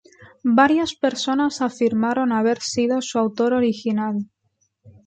Varias personas afirmaron haber sido su autor original.